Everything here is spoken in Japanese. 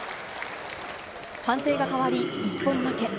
判定が変わり一本負け。